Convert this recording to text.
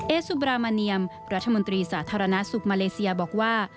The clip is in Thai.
ซูบรามาเนียมรัฐมนตรีสาธารณสุขมาเลเซียบอกว่า